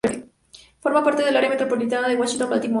Forma parte del Área metropolitana de Washington-Baltimore.